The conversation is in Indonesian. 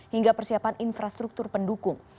hingga persiapan infrastruktur pendukung